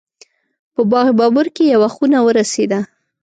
په باغ بابر کې یوه خونه ورسېده.